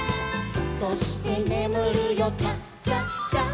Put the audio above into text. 「そしてねむるよチャチャチャ」